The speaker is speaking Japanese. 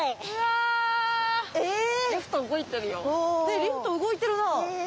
リフト動いてるなあ。